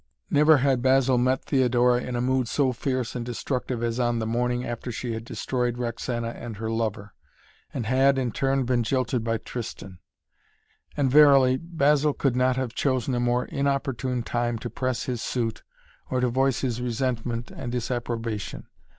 Never had Basil met Theodora in a mood so fierce and destructive as on the morning after she had destroyed Roxana and her lover, and had, in turn, been jilted by Tristan. And, verily, Basil could not have chosen a more inopportune time to press his suit or to voice his resentment and disapprobation.